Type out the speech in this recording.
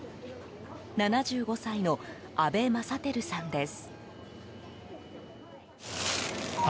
７５歳の阿部政輝さんです。